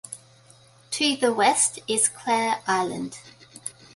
To the west is Clare Island.